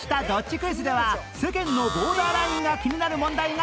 クイズでは世間のボーダーラインが気になる問題が続々